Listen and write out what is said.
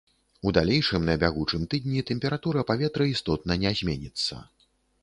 У далейшым на бягучым тыдні тэмпература паветра істотна не зменіцца.